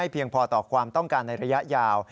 เพียงพอต่อความต้องการในระยะยาว